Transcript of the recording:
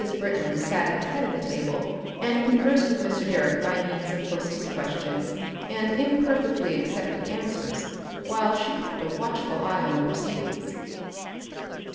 Britling sat at the head of the table, and conversed with Mr. Direck by means of hostess questions and imperfectly accepted answers while she kept a watchful eye on the proceedings.